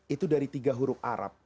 itu dari tiga huruf arab